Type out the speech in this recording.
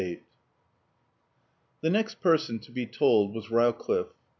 XXXVIII The next person to be told was Rowcliffe.